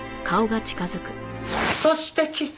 そしてキス。